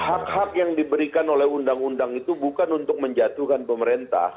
hak hak yang diberikan oleh undang undang itu bukan untuk menjatuhkan pemerintah